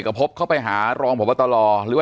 ปากกับภาคภูมิ